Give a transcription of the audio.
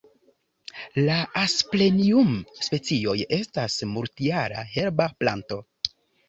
La Asplenium-specioj estas multjara herba planto.